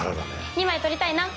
２枚取りたいな。